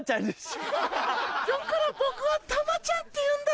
今日から僕はたまちゃんっていうんだ！